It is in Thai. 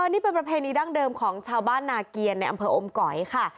นี่เป็นประเพณีดั้งเดิมของชาวบ้านนาเกียรในอำเภออมก๋อยค่ะ